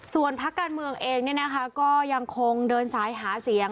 ส่วนพักการเมืองเองก็ยังคงเดินสายหาเสียง